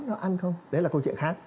nó ăn không đấy là câu chuyện khác